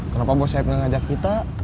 kenapa bos saeb gak ngajak kita